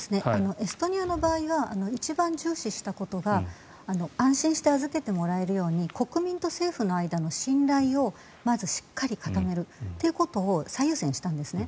エストニアの場合は一番重視したことが安心して預けてもらえるように国民と政府の間の信頼をまずしっかり固めるということを最優先にしたんですね。